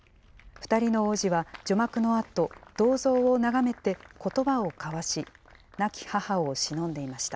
２人の王子は、除幕のあと、銅像を眺めて、ことばを交わし、亡き母をしのんでいました。